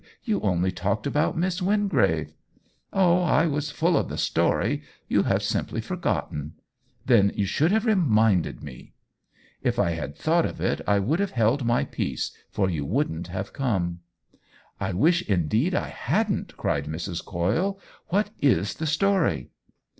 You only talked about Miss Wingrave." " Oh, I was full of the story — you have simply forgotten." " Then you should have reminded me !"" If I had thought of it I would have held my peace, for you wouldn't have come." "I wish, indeed, I hadn't!" cried Mrs. Coyle. " What is the story